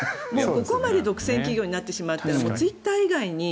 ここまで独占企業になってしまっているとツイッター以外に。